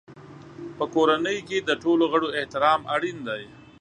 په کورنۍ کې د ټولو غړو احترام اړین دی.